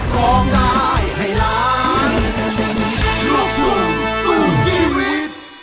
โปรดติดตามตอนต่อไป